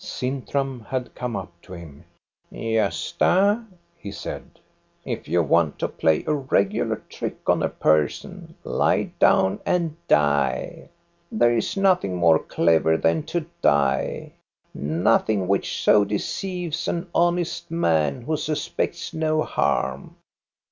Sintram had come up to him. " Gosta," he said, " if you want to play a regular trick on a person, lie down and die. There is noth ing more clever than to die, nothing which so deceives an honest man who suspects no harm.